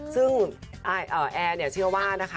ซึ่งเอ๋ยเชื่อว่านะคะ